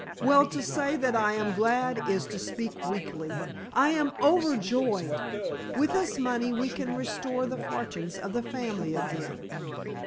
"Well, to say that I am glad is to speak weakly. I am overjoyed. With this money we can restore the fortunes of the family again."